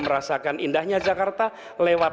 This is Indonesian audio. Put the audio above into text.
merasakan indahnya jakarta lewat